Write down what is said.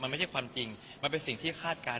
มันไม่ใช่ความจริงมันเป็นสิ่งที่คาดการณ